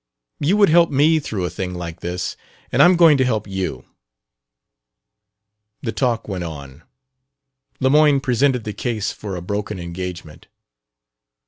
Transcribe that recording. You would help me through a thing like this, and I'm going to help you." The talk went on. Lemoyne presented the case for a broken engagement.